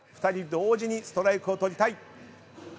２人同時にストライクを取りたい。